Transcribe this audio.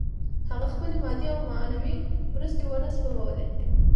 هغه خپلې مادي او معنوي مرستې ونه سپمولې